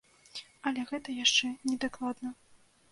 Але гэта яшчэ не дакладна.